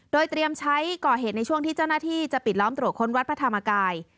โดยเตรียมใช้ก่อเหตุในช่วงที่เจ้าหน้าที่จะปิดล้อมตรวจค้นวัดพระธรรมกาย